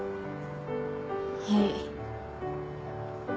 はい。